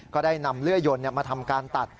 ก็ได้นำเลื่อยยนมาทำการตัด